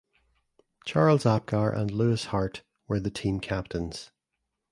Charles Apgar and Lewis Hart were the team captains.